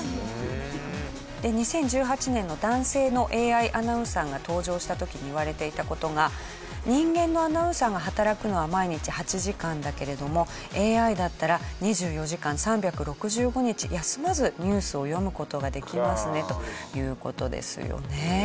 で２０１８年の男性のＡＩアナウンサーが登場した時にいわれていた事が人間のアナウンサーが働くのは毎日８時間だけれどもＡＩだったら２４時間３６５日休まずニュースを読む事ができますねという事ですよね。